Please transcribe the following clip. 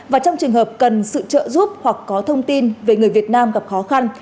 và trong trường hợp cần sự trợ giúp hoặc có thông tin về người việt nam gặp khó khăn